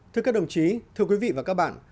thưa các đồng chí thưa quý vị và các bạn